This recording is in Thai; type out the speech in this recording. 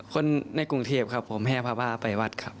คนในกรุงเทพครับผมแห่ผ้าไปวัดครับ